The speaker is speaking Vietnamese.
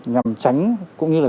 nhằm tránh cũng như là